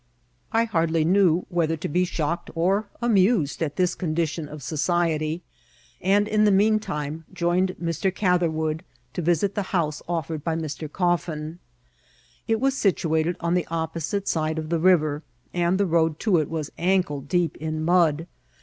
13 I hardly knew whether to be shocked or amused at this condition of society ; and, in the mean time, joined Mr. Catherwood, to visit the house offered by Mr. Cof fin. It was situated on the opposite side of the riveri and the road to it was ankle deep in mud.